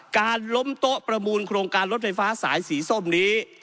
การล้มโต๊ะประมูลโครงการรถไฟฟ้าสายสีส้มนี้